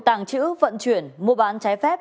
tàng trữ vận chuyển mua bán trái phép